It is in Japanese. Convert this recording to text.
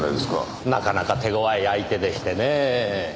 なかなか手ごわい相手でしてねぇ。